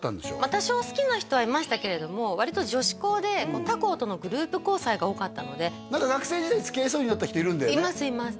多少好きな人はいましたけれども割と女子校で他校とのグループ交際が多かったので何か学生時代つきあいそうになった人いるんだよねいますいます